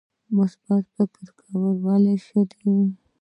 مثبت فکر کول ولې ښه دي؟